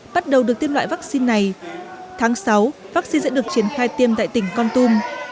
bắt đầu được tiêm loại vaccine này tháng sáu vaccine sẽ được triển khai tiêm tại tỉnh con tum